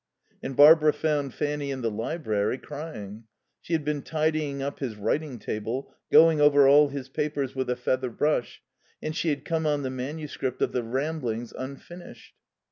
And Barbara found Fanny in the library, crying. She had been tidying up his writing table, going over all his papers with a feather brush, and she had come on the manuscript of the Ramblings unfinished.